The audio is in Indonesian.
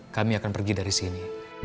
kami akan pergi dari sini